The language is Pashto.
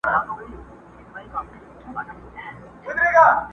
ول کمک را سره وکړه زما وروره.